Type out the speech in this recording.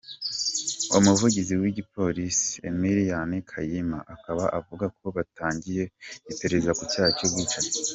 Umuvugizi w’igipolisi, Emilian Kayima akaba avuga ko batangiye iperereza ku cyaha cy’ubwicanyi.